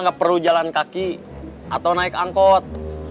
nggak perlu jalan kaki atau naik angkot